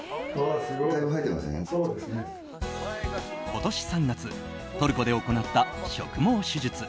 今年３月トルコで行った植毛手術。